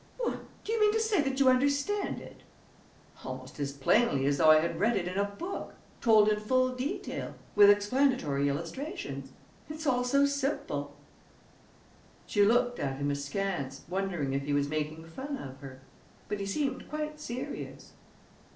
"What! Do you mean to say that you understand it?" "Almost as plainly as though I had read it in a book, told in full detail, with explanatory illustrations. It's all so simple!" She looked at him askance, wondering if he was making fun of her. But he seemed quite serious.